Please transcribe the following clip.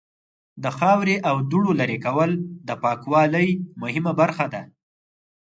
د خاورې او دوړو لرې کول د پاکوالی مهمه برخه ده.